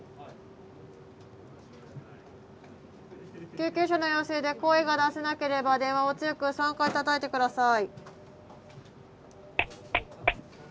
救急車の要請で声が出せなければ電話を強く３回たたいて下さい。